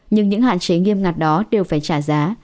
nhưng những hạn chế nghiêm ngặt đó đều phải trả giá